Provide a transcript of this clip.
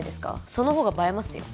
そのほうが映えますよ